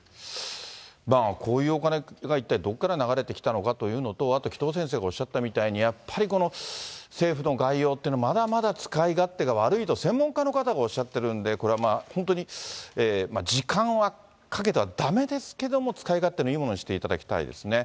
こういうお金が一体、どこから流れてきたのかというのと、あと紀藤先生がおっしゃったみたいに、やっぱりこの、政府の概要っていうの、まだまだ使い勝手が悪いと専門家の方がおっしゃってるんで、これはまあ、本当に時間はかけてはだめですけども、使い勝手のいいものにしていただきたいですよね。